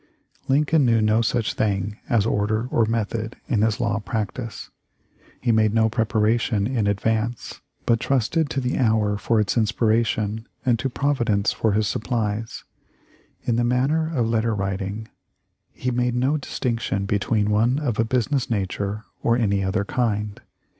Lincoln knew no such thing as order or method in his law practice. He made no preparation in advance, but trusted to the hour for its inspiration and to Providence for his supplies. In the matter of letter writingf he made no distinction between one of a business nature or any other kind.